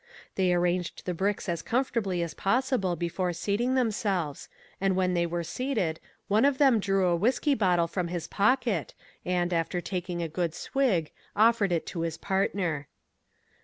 They arranged the bricks as comfortably as possible before seating themselves, and when they were seated, one of them drew a whiskey bottle from his pocket and, after taking a good swig, offered it to his partner.